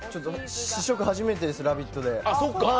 試食初めてです「ラヴィット！」で。